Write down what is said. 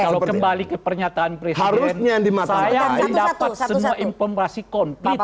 kalau kembali ke pernyataan presiden harusnya yang dimaksudkan di satu satu informasi konflik